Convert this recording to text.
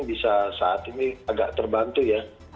bisa saat ini agak terbantu ya